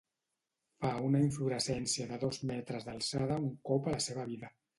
Fa una inflorescència de dos metres d'alçada un cop a la seva vida.